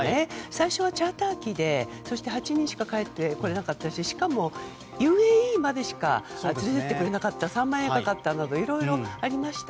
最初はチャーター機で８人しか乗れなかったししかも、ＵＡＥまでしか連れて行ってくれなかった３万円かかったなどいろいろありました。